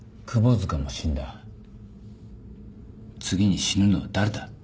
次に死ぬのは誰だ？